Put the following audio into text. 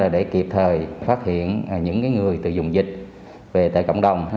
để kịp thời phát hiện những người từ dùng dịch về tại cộng đồng